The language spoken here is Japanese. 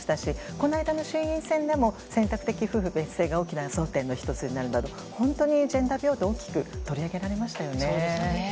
この間の衆院選でも選択的夫婦別姓が大きな争点の１つになるなど本当にジェンダー平等大きく取り上げられましたね。